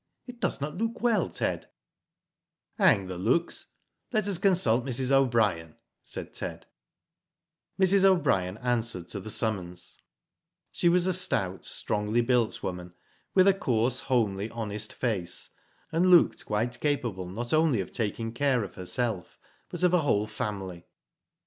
"It does not look well, Ted." Digitized byGoogk 72 WHO DID ITf Hang the looks. Let us consult Mrs. O'Brien," said Ted. Mrs. O'Brien answered to the summons. She was a stout, strongly built woman, with a coarse, homely, honest face, and looked quite capable not only of taking care of herself but of a whole family.